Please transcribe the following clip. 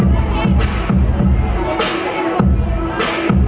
ไม่ต้องถามไม่ต้องถาม